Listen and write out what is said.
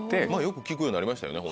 よく聞くようになりましたよね